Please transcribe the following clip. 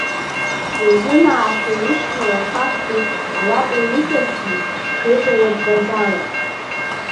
Иазынаашәа ишьҭоу ахаҳә ду, ауапа иҵаршәны, дыҵаиоуп Базала.